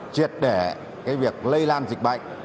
triệt để cái việc lây lan dịch bệnh